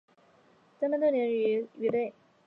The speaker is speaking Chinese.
单斑豆娘鱼为雀鲷科豆娘鱼属的鱼类。